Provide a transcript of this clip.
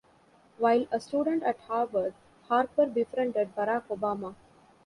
While a student at Harvard, Harper befriended Barack Obama.